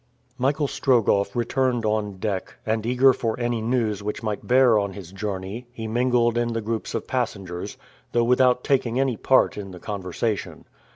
Michael Strogoff returned on deck, and eager for any news which might bear on his journey, he mingled in the groups of passengers, though without taking any part in the conversation.